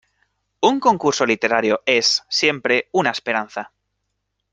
Un concurso literario es, siempre, una esperanza.